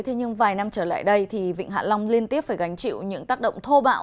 thế nhưng vài năm trở lại đây thì vịnh hạ long liên tiếp phải gánh chịu những tác động thô bạo